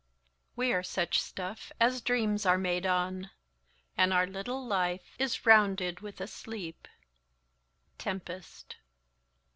_ "We are such stuff As dreams are made on; and our little life Is rounded with a sleep." _Tempest.